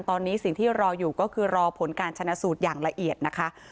ตอนนี้สิ่งที่รออยู่ก็คือรอผลการชนะสูตรอย่างละเอียดนะคะ